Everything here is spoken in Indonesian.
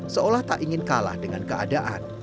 seolah tak ingin kalah dengan keadaan